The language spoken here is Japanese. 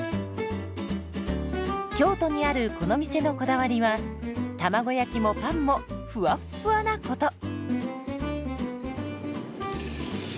京都にあるこの店のこだわりは卵焼きもパンもふわっふわなこと。